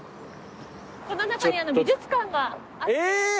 この中に美術館があって。